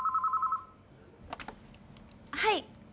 ☎はい。